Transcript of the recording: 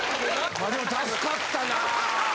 まあでも助かったなぁ。